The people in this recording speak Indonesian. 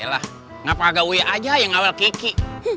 yalah ngapa agak wuyah aja yang ngawal kiki